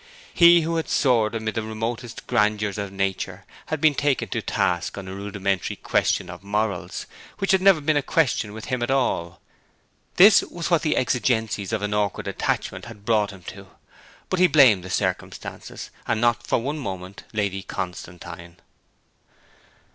He who had soared amid the remotest grandeurs of nature had been taken to task on a rudimentary question of morals, which had never been a question with him at all. This was what the exigencies of an awkward attachment had brought him to; but he blamed the circumstances, and not for one moment Lady Constantine.